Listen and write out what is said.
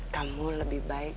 kamu lebih baik